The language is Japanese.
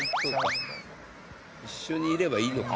一緒にいればいいのか。